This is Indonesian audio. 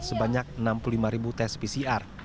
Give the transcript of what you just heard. sebanyak enam puluh lima ribu tes pcr